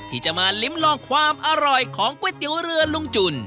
ที่จะมาลิ้มลองความอร่อยของก๋วยเตี๋ยวเรือลุงจุ่น